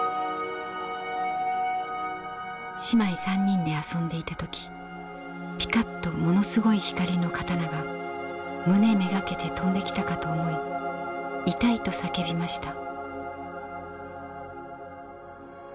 「姉妹３人で遊んでいた時ピカッとものすごい光の刀が胸目がけて飛んできたかと思いイタイと叫びました」。